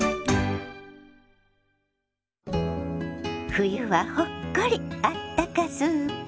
「冬はほっこりあったかスープ」。